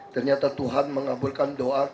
ternyata tuhan mengabulkan doa